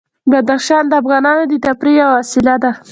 بدخشان د افغانانو د تفریح یوه وسیله ده.